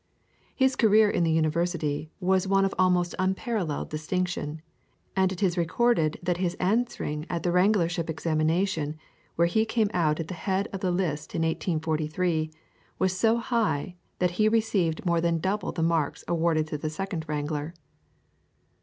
His career in the University was one of almost unparalleled distinction, and it is recorded that his answering at the Wranglership examination, where he came out at the head of the list in 1843, was so high that he received more than double the marks awarded to the Second Wrangler.